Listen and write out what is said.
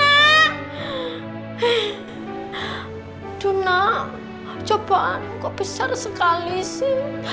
eh duna cobaan kok besar sekali sih